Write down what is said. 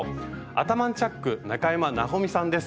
アタマンチャック中山奈穂美さんです。